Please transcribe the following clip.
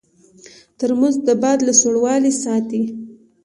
ترموز د باد له سړوالي ساتي.